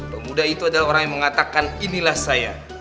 pemuda itu adalah orang yang mengatakan inilah saya